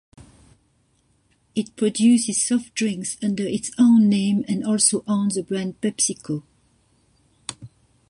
It produces soft drinks under its own name and also owns the brand PepsiCo.